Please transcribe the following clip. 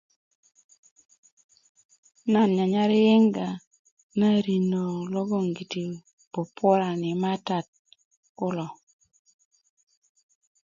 nan nyanyar yiyiga na rinä logoŋ giti pupurani matat kulo